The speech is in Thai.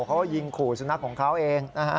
เขาก็ยิงขู่สุนัขของเขาเองนะฮะ